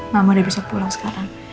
mama udah bisa pulang sekarang